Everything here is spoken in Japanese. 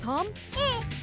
えっ？